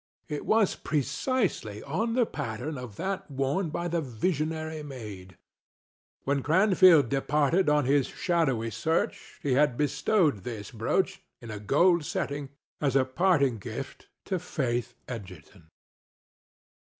It was precisely on the pattern of that worn by the visionary maid. When Cranfield departed on his shadowy search, he had bestowed this brooch, in a gold setting, as a parting gift to Faith Egerton.